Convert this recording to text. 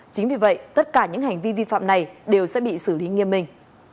chính vì vậy tất cả những hành vi vi phạm này đều sẽ bị xử lý nghiêm minh